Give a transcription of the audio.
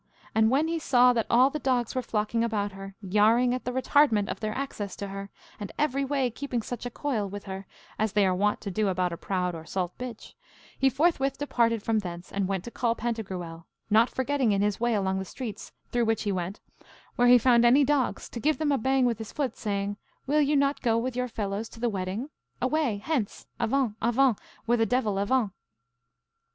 And when he saw that all the dogs were flocking about her, yarring at the retardment of their access to her, and every way keeping such a coil with her as they are wont to do about a proud or salt bitch, he forthwith departed from thence, and went to call Pantagruel, not forgetting in his way alongst the streets through which he went, where he found any dogs to give them a bang with his foot, saying, Will you not go with your fellows to the wedding? Away, hence, avant, avant, with a devil avant!